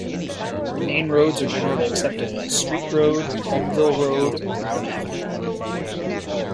The main roads are generally accepted as Street Road, Hulmeville Road, and Brown Avenue.